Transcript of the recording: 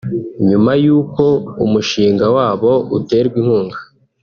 nyuma y’uko umushinga wabo uterwa inkunga